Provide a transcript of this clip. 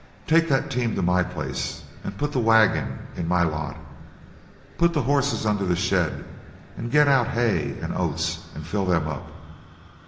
Take that team to my place put the wagon in my lot put the horses under the shed, and get out hay and oats and fill them up!